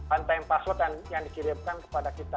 one time password yang dikirimkan kepada kita